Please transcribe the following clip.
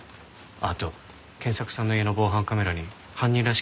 あと賢作さんの家の防犯カメラに犯人らしき人が映ってたんです。